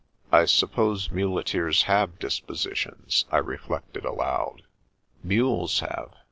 "I suppose muleteers have dispositions," I re flected aloud. " Mules have.